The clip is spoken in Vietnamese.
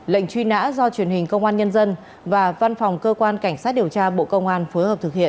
lệnh truy nã do truyền hình công an nhân dân và văn phòng cơ quan cảnh sát điều tra bộ công an phối hợp thực hiện